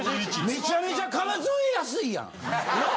めちゃめちゃ数えやすいやん。なあ？